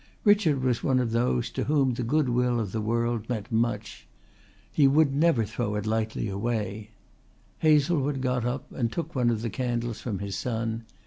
Richard was of those to whom the good will of the world meant much. He would never throw it lightly away. Hazlewood got up and took one of the candles from his son.